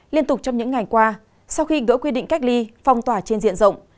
liên tục trong những ngày qua sau khi gỡ quy định cách ly phong tỏa trên diện rộng